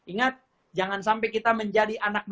ingat jangan sampai kita menjadi anak muda